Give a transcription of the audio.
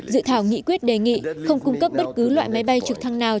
dự thảo nghị quyết đề nghị không cung cấp bất cứ loại máy bay trực thăng nào